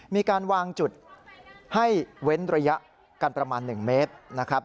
มีการวางจุดให้เว้นระยะกันประมาณ๑เมตรนะครับ